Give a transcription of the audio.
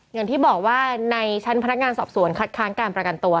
อย่างที่บอกว่าในชั้นพนักงานสอบสวนคัดค้างการประกันตัว